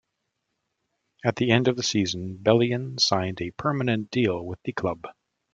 At the end of the season, Bellion signed a permanent deal with the club.